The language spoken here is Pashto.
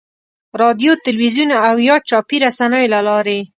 رادیو، تلویزیون او یا چاپي رسنیو له لارې.